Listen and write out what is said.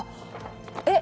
え？